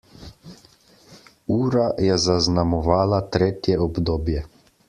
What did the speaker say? Ura je zaznamovala tretje obdobje.